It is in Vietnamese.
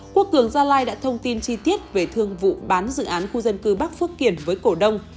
quốc cường gia lai đã thông tin chi tiết về thương vụ bán dự án khu dân cư bắc phước kiển với cổ đông